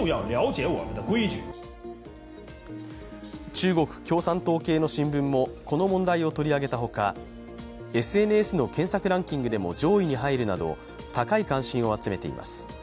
中国共産党系の新聞もこの問題を取り上げたほか、ＳＮＳの検索ランキングでも上位に入るなど高い関心を集めています。